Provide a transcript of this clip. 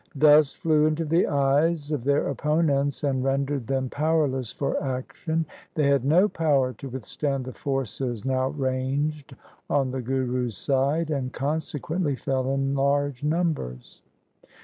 Dust flew into the eyes LIFE OF GURU GOBIND SINGH 169 of their opponents, and rendered them powerless for action. They had no power to withstand the forces now ranged on the Guru's side, and consequently fell in large numbers.